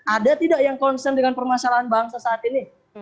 ada tidak yang concern dengan permasalahan bangsa saat ini